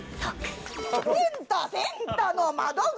センターセンターの窓口